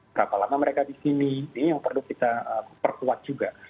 berapa lama mereka di sini ini yang perlu kita perkuat juga